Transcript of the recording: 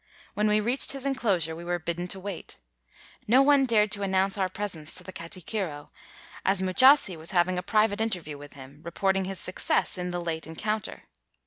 When we reached his enclosure, we were bidden to wait. No one dared to an nounce our presence to the katikiro, as Mu jasi was having a private interview with him, reporting his success in the late en counter.